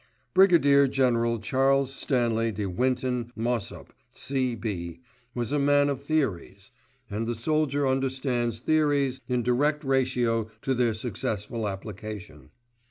Brigadier General Charles Stanley de Winton Mossop, C.B., was a man of theories, and the soldier understands theories in direct ratio to their successful application.